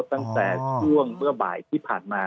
ตั้งแต่ช่วงเมื่อบ่ายที่ผ่านมา